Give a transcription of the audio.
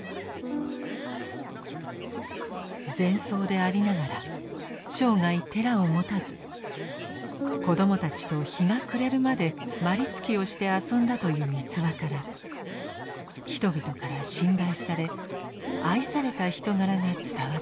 禅僧でありながら生涯寺を持たず子供たちと日が暮れるまでまりつきをして遊んだという逸話から人々から信頼され愛された人柄が伝わってきます。